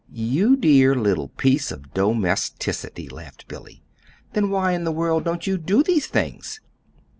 "You dear little piece of domesticity," laughed Billy. "Then why in the world don't you do these things?"